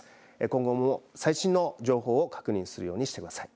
今後も最新の情報を確認するようにしてください。